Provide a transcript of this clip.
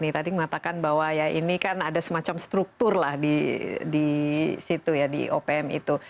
tadi mengatakan bahwa ini kan ada semacam struktur di opm itu